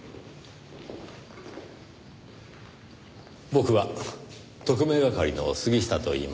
僕は特命係の杉下といいます。